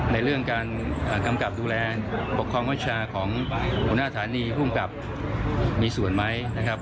ในเรื่องการกำกับดูแลปกครองวิชาของหัวหน้าฐานีภูมิกับมีส่วนไหมนะครับ